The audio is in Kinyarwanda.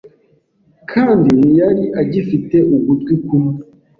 Kandi ntiyari agifite ugutwi kumwe